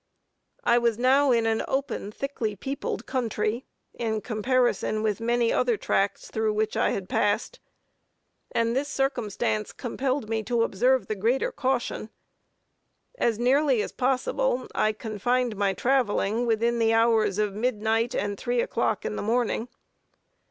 I was now in an open, thickly peopled country, in comparison with many other tracts through which I had passed; and this circumstance compelled me to observe the greater caution. As nearly as possible, I confined my traveling within the hours of midnight and three o'clock in the morning.